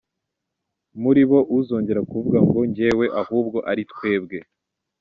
muri bo uzongera kuvuga ngo ‘Njyewe’ ahubwo ari ‘Twebwe’